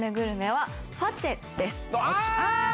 あ！